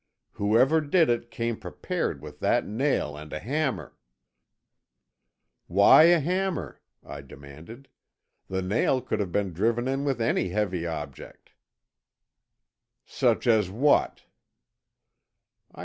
Whoever did it, came prepared with that nail and a hammer——" "Why a hammer?" I demanded. "The nail could have been driven in with any heavy object." "Such as what?"